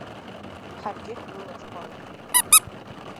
Ҳаргьы ҳбылаҽхәалап.